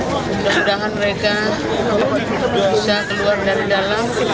dan mudah mudahan mereka bisa keluar dari dalam